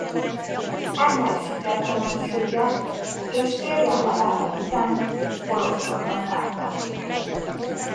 Ennek sikertelensége és férje halála után kolostorba zárták.